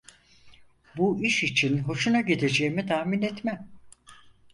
Bu iş için hoşuna gideceğimi tahmin etmem!